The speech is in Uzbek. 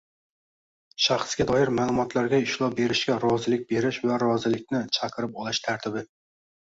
Shaxsga doir ma’lumotlarga ishlov berishga rozilik berish va rozilikni chaqirib olish tartibi